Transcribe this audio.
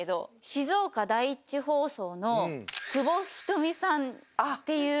静岡第一放送の久保ひとみさんっていう。